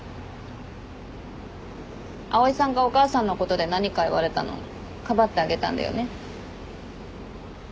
蒼井さんがお母さんのことで何か言われたのかばってあげたんだよね。